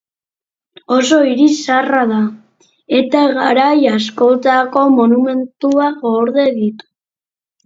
Oso hiri zaharra da, eta garai askotako monumentuak gorde ditu.